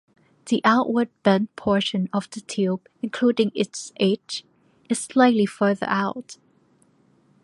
The outward-bent portion of the tube, including its edge, is slightly further out.